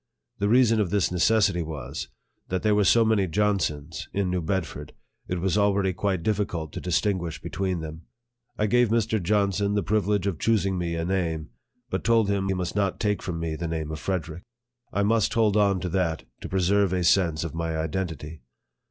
The reason of this necessity was, that there were so many Johnsons in New Bedford, it was already quite difficult to distinguish between them. 1 gave Mr. Johnson the privilege of choosing me a name, but told him he must not take from me the name of " Frederick." I must hold on to that, to pre serve a sense of my identity.